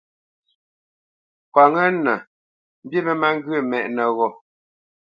Kwǎnŋə́nə mbî mə má ŋgyə̂ mɛ́ʼnə́ ghô.